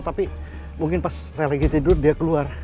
tapi mungkin pas saya lagi tidur dia keluar